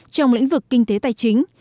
trong lĩnh vực kinh tế tài chính